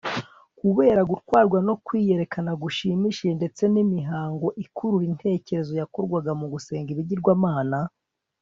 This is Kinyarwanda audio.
Kubera gutwarwa no kwiyerekana gushimishije ndetse nimihango ikurura intekerezo yakorwaga mu gusenga ibigirwamana